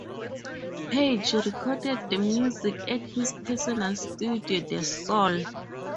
Page recorded the music at his personal studio The Sol.